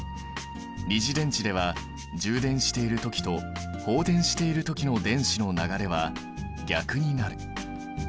二次電池では充電している時と放電している時の電子の流れは逆になる。